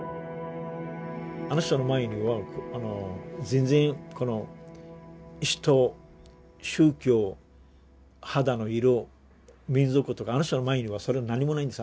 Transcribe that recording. あの人の前には全然この人宗教肌の色民族とかあの人の前にはそれ何もないんです。